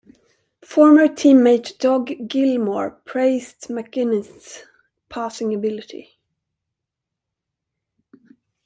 Former teammate Doug Gilmour praised MacInnis' passing ability.